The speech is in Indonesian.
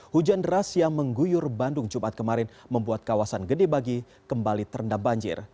hujan deras yang mengguyur bandung jumat kemarin membuat kawasan gede bagi kembali terendam banjir